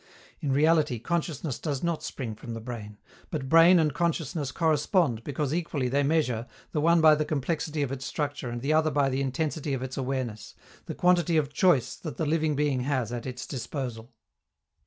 In reality, consciousness does not spring from the brain; but brain and consciousness correspond because equally they measure, the one by the complexity of its structure and the other by the intensity of its awareness, the quantity of choice that the living being has at its disposal.